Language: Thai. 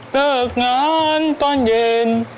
เลิกงานตอนเย็น